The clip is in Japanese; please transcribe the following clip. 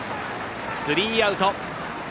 スリーアウト。